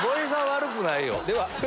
悪くないよ。